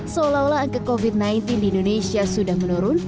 seolah olah angka covid sembilan belas di indonesia sudah menurun